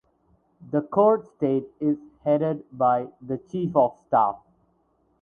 The court state is headed by the Chief of Staff.